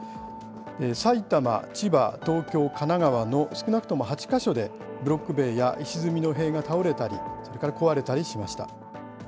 埼玉、千葉、東京、神奈川の少なくとも８か所で、ブロック塀や石積みの塀が倒れたり、壊れたりしました。